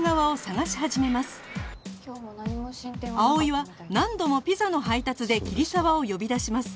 葵は何度もピザの配達で桐沢を呼び出します